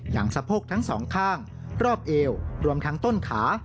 สะโพกทั้งสองข้างรอบเอวรวมทั้งต้นขา